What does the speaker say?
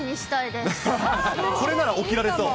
これなら起きられそう？